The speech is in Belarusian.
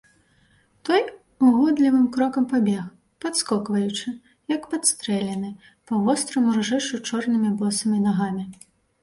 Той угодлівым крокам пабег, падскокваючы, як падстрэлены, па востраму ржышчу чорнымі босымі нагамі.